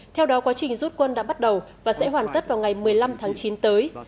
theo đó quá trình rút quân đã bắt đầu và sẽ hoàn tất vào ngày một mươi năm tháng chín tới